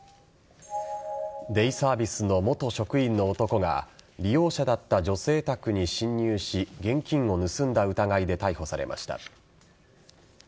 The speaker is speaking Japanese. デイサービスの元職員の男が利用者だった女性宅に侵入し現金を盗んだ疑いで逮捕されました。